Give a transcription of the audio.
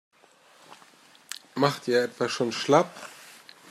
Macht ihr etwa schon schlapp?